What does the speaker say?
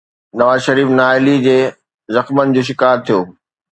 نواز شريف نااهليءَ جي زخمن جو شڪار ٿيو.